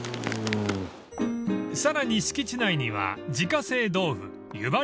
［さらに敷地内には自家製豆腐湯葉